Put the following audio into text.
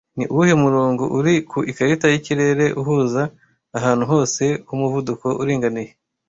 Ni uwuhe murongo uri ku ikarita y'ikirere uhuza ahantu hose h’umuvuduko uringaniye